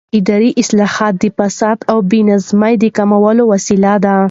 اداري اصلاحات د فساد او بې نظمۍ د کمولو وسیله دي